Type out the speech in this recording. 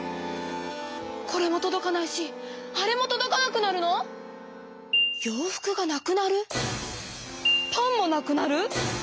これもとどかないしあれもとどかなくなるの⁉洋服がなくなる⁉パンもなくなる⁉